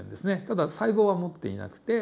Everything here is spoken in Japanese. ただ細胞は持っていなくて。